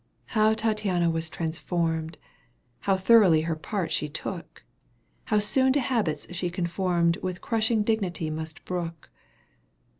how Tattiana was transformed, (^ How thoroughly her part she took ! How soon to habits she conformed Which crushing dignity must brook